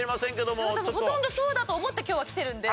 でもほとんどそうだと思って今日は来てるんで。